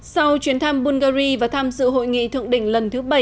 sau chuyến thăm bulgari và tham dự hội nghị thượng đỉnh lần thứ bảy